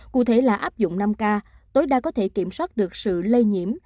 cụ thể là áp dụng năm k tối đa có thể kiểm soát được sự lây nhiễm